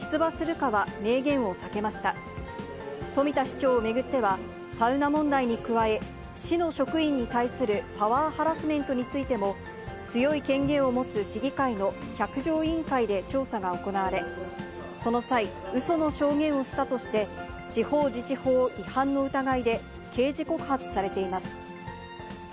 長を巡っては、サウナ問題に加え、市の職員に対するパワーハラスメントについても、強い権限を持つ市議会の百条委員会で調査が行われ、その際、うその証言をしたとして、地方自治法違反の疑いで、刑事告発されています。